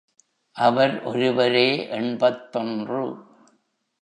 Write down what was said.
அவர் ஒருவரே எண்பத்தொன்று.